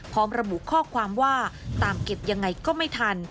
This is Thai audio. พร้อมระบุข้อความว่าตามเก็บยังไงก็ไม่ทัน